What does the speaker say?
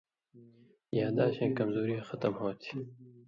یاداشیں کمزوری ختم ہوتھی۔